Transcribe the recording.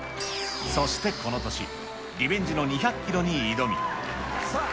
そしてこの年、リベンジの２００さあ、